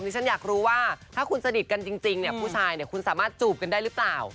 ฉันอยากรู้ว่าถ้าคุณสนิทกันจริงเนี่ยผู้ชายคุณสามารถจูบกันได้หรือเปล่า